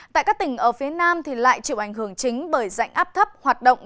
tại các tỉnh ở phía nam lại chịu ảnh hưởng chính bởi dạnh áp thấp hoạt động